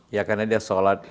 ya karena dia sholat